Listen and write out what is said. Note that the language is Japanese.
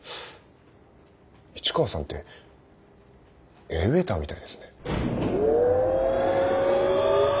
市川さんってエレベーターみたいですね。